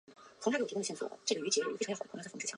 本游戏根据著名的日本桃太郎传说进行改编。